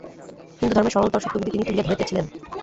হিন্দুধর্মের সরলতর সত্যগুলি তিনি তুলিয়া ধরিতেছিলেন।